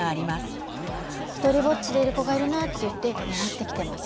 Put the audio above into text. ひとりぼっちでいる子がいるなっていって狙ってきてます。